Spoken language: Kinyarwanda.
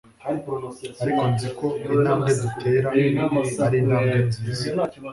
ariko nzi ko intambwe dutera ari intambwe nziza